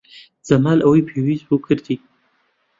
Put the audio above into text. جەمال ئەوەی پێویست بوو کردی.